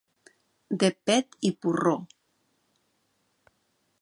De pet i porró.